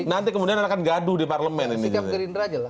nanti kemudian akan gaduh di parlemen